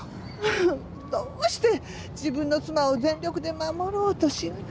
ああどうして自分の妻を全力で守ろうとしない。